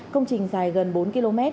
công trình dài gần bốn km